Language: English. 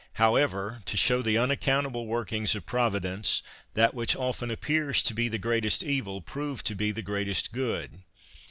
However, to show the unaccountable workings of Providence, that which often appears to be the greatest evil, proved to be the greatest good!